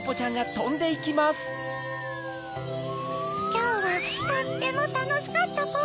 きょうはとってもたのしかったポ。